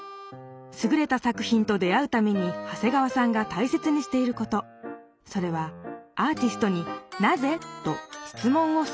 すぐれた作品と出会うために長谷川さんが大切にしていることそれはアーティストに「なぜ？」と質問をすることです